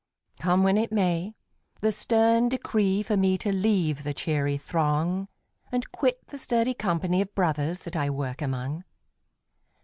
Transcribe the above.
Come when it may, the stern decree For me to leave the cheery throng And quit the sturdy company Of brothers that I work among.